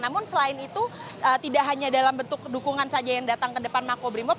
namun selain itu tidak hanya dalam bentuk dukungan saja yang datang ke depan makobrimob